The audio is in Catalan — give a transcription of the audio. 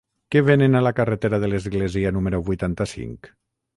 Què venen a la carretera de l'Església número vuitanta-cinc?